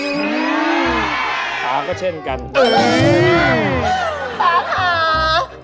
อื้อตาก็เช่นกันโอ้โฮตาก๋า